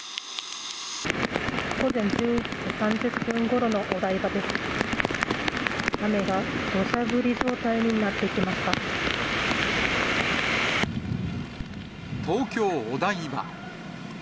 午前１１時３０分ごろのお台場です。